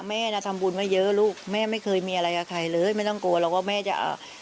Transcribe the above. แม่น่ะทำบุญมาเยอะลูกแม่ไม่เคยมีอะไรกับใครเลยไม่ต้องกลัวหรอกว่าแม่จะอ่า